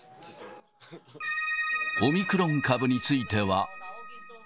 オミクロン株については。